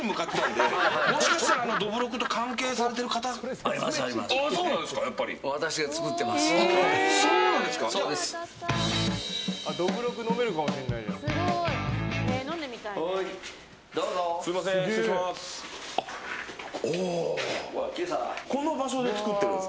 すみません、失礼します。